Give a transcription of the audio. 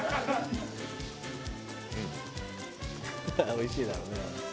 「おいしいだろうな」